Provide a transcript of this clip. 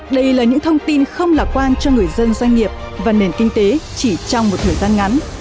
đây là những thông tin không lạc quan cho người dân doanh nghiệp và nền kinh tế chỉ trong một thời gian ngắn